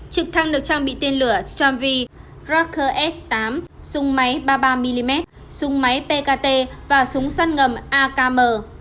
trực thăng được trang bị tiên lửa tramvi rocker s tám súng máy ba mươi ba mm súng máy pkt và súng săn ngầm akm